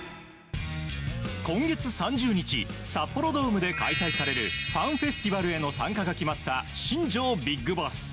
今月３０日札幌ドームで開催されるファンフェスティバルへの参加が決まった新庄ビッグボス。